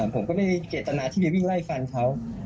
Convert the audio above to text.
ผมก็ไม่มีเจตนาที่จะวิ่งไล่ฟันเขา